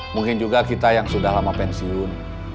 mungkin juga kita yang sudah lama pensiun